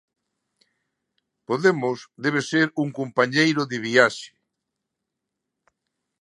Podemos debe ser un compañeiro de viaxe.